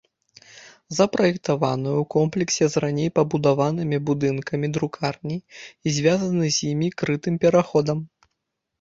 Запраектаваны ў комплексе з раней пабудаванымі будынкамі друкарні і звязаны з імі крытым пераходам.